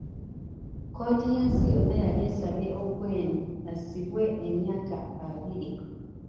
Kkooti y'ensi yonna yali esabye Ongwen asibwe emyaka abiri.